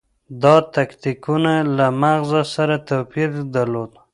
دا تکتیکونه له مغز سره توپیر درلود.